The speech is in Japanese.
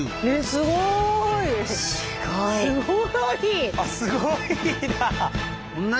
すごいな。